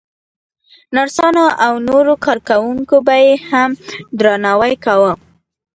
نرسانو او نورو کارکوونکو به يې هم ډېر درناوی کاوه.